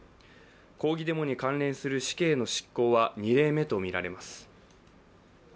抗議デモに関連する死刑の執行は２例目とみられます。